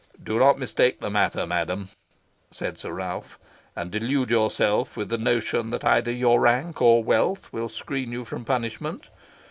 "Do not mistake the matter, madam," said Sir Ralph, "and delude yourself with the notion that either your rank or wealth will screen you from punishment.